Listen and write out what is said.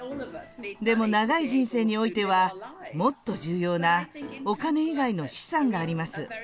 でも、長い人生においてはもっと重要なお金以外の資産があります。